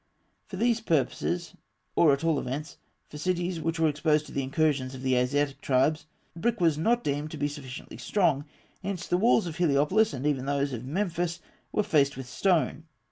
For these purposes, or at all events for cities which were exposed to the incursions of the Asiatic tribes, brick was not deemed to be sufficiently strong; hence the walls of Heliopolis, and even those of Memphis, were faced with stone.